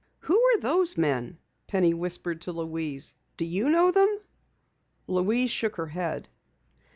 "Who are those men?" Penny whispered to Louise. "Do you know them?" Louise shook her head.